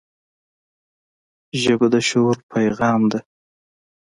ژبه د شعور پیغام ده